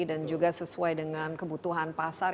dan juga sesuai dengan kebutuhan pasar